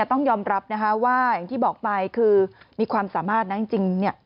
ต้องยอมรับนะคะว่าอย่างที่บอกไปคือมีความสามารถนะจริงเนี่ย